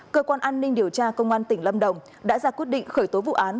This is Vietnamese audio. cơ quan an ninh điều tra công an tỉnh lâm đồng đã ra quyết định khởi tố vụ án